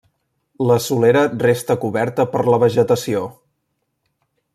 La solera resta coberta per la vegetació.